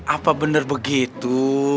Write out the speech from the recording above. apa benar begitu